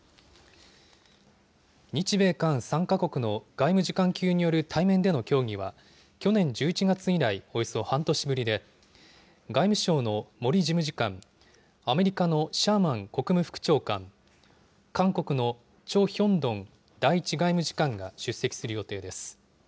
日米韓３か国の外務次官級による対面での協議は、去年１１月以来およそ半年ぶりで、外務省の森事務次官、アメリカのシャーマン国務副長官、韓国のチョ・ヒョンドン第１外務次官が出席する予定です。